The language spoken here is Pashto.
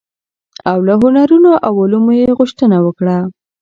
او له هنرونو او علومو يې غوښتنه وکړه،